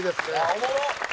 おもろっ。